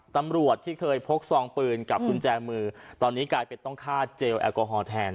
ตำรวจที่เคยพกซองปืนกับกุญแจมือตอนนี้กลายเป็นต้องฆ่าเจลแอลกอฮอลแทน